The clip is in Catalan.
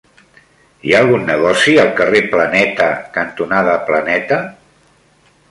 Hi ha algun negoci al carrer Planeta cantonada Planeta?